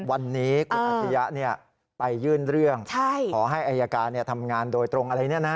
วันนี้คุณอัชริยะไปยื่นเรื่องขอให้อายการทำงานโดยตรงอะไร